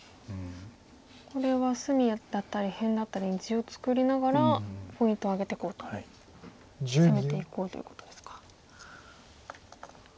これは隅だったり辺だったりに地を作りながらポイントを挙げていこうと攻めていこうということですか。